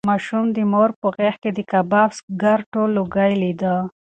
ماشوم د مور په غېږ کې د کباب د سګرټو لوګی لیده.